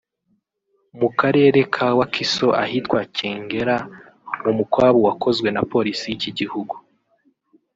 mu Karere ka Wakiso ahitwa Kyengera mu mukwabu wakozwe na Polisi y’iki gihugu